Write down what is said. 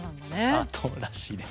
アートらしいです。